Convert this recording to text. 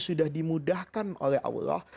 sudah dimudahkan oleh allah